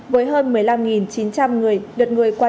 với hơn một mươi năm lượt phương tiện